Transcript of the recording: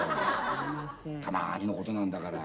たまーにのことなんだから。